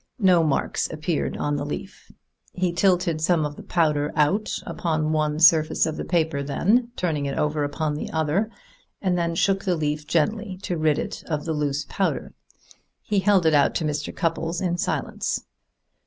No marks appeared on the leaf. He tilted some of the powder out upon one surface of the paper, then, turning it over, upon the other; then shook the leaf gently to rid it of the loose powder. He held it out to Mr. Cupples in silence.